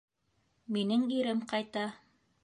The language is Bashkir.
— Минең ирем ҡайта.